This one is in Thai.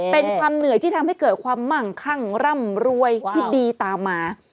เป็นความเหนื่อยที่ทำให้เกิดความมั่งคั่งร่ำรวยที่ดีตามมา